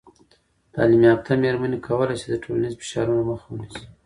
تعلیم یافته میرمنې کولی سي د ټولنیز فشارونو مخه ونیسي.